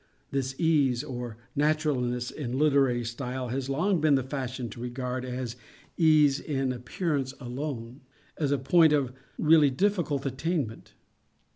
This "ease" or naturalness, in a literary style, it has long been the fashion to regard as ease in appearance alone—as a point of really difficult attainment.